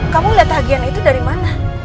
kamu lihat bahagianya itu dari mana